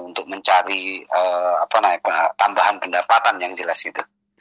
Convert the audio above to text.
untuk mencari tambahan pendapatan yang jelas gitu